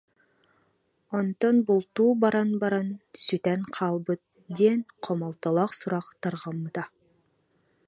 Онтон бултуу баран-баран сүтэн хаалбыт диэн хомолтолоох сурах тарҕаммыта